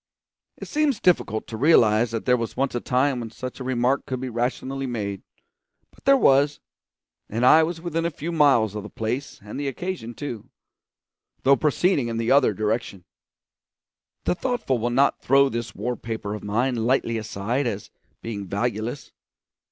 It seems difficult to realise that there was once a time when such a remark could be rationally made; but there was, and I was within a few miles of the place and the occasion too, though proceeding in the other direction. The thoughtful will not throw this war paper of mine lightly aside as being valueless.